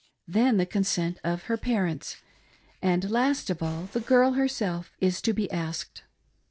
Then the consent of her parents. And, last of all, the girl herself is to be asked.